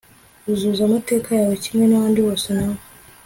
uzuza amateka yawe kimwe nabandi bose, nabo